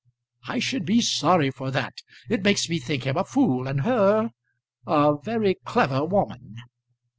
"I should be sorry for that. It makes me think him a fool, and her a very clever woman."